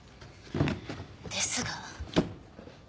ですが。